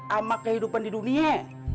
sama kehidupan di dunia